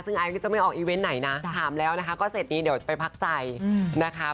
ซึ่งไอซ์ก็จะไม่ออกอีเวนต์ไหนนะถามแล้วนะคะก็เสร็จนี้เดี๋ยวไปพักใจนะคะ